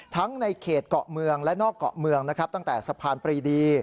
ในเขตเกาะเมืองและนอกเกาะเมืองนะครับตั้งแต่สะพานปรีดี